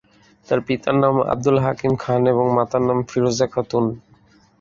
তার পিতার নাম আব্দুল হাকিম খান, এবং মাতার নাম ফিরোজা খাতুন।